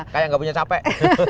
kayak nggak punya capek